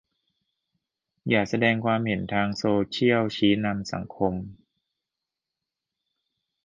อย่าแสดงความเห็นทางโซเชียล ชี้นำสังคม